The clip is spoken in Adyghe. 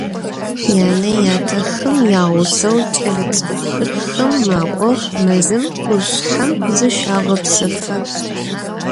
Янэ-ятэхэм ягъусэу кӏэлэцӏыкӏухэр хым макӏох, мэзым, къушъхьэм зыщагъэпсэфы.